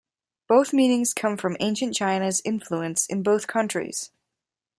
Both meanings come from ancient China's influence in both countries.